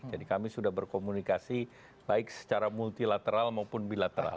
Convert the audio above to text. jadi kami sudah berkomunikasi baik secara multilateral maupun bilateral